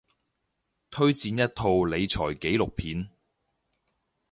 推薦一套理財紀錄片